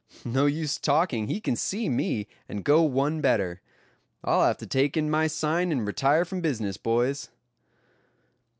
No use talking, he can see me, and go one better. I'll have to take in my sign, and retire from business, boys."